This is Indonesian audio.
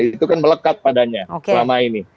itu kan melekat padanya selama ini